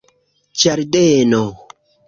ĝardeno